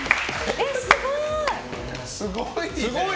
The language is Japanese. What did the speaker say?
ええ、すごい！